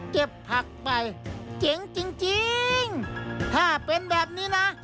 เก็บผักไปเจ๋งจริงถ้าเป็นแบบนี้นะ